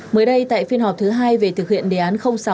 mới đây tại phiên họp thứ hai về thực hiện đề án sáu